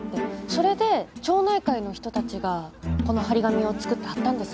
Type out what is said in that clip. それで町内会の人たちがこの張り紙を作って張ったんです。